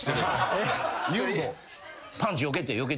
パンチよけて。